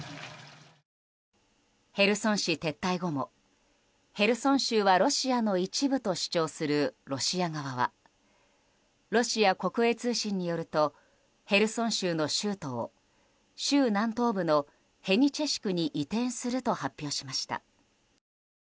ヘルソン市撤退後もヘルソン州はロシアの一部と主張するロシア側はロシア国営通信によるとヘルソン州の州都を州南東部のヘニチェシクに移転すると発表しました。